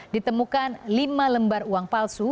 ditemukan lima lembar uang palsu